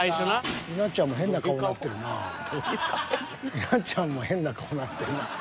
稲ちゃんも変な顔なってんな。